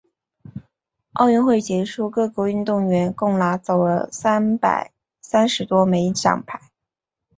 奥运会结束，各国运动员共拿走了三百三十多枚奖牌。